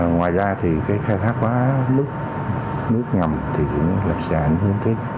ngoài ra thì khai thác mức nước ngầm cũng sẽ ảnh hưởng tới